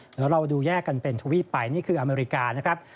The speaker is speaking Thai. เดี๋ยวเราดูแยกกันเป็นทวีปไปนี่คืออเมริกานะครับ